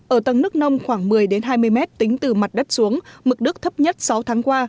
ở tầng nước nông khoảng một mươi hai mươi mét tính từ mặt đất xuống mực nước thấp nhất sáu tháng qua